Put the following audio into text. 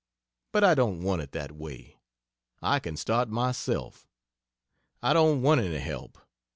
But I don't want it that way. I can start myself. I don't want any help.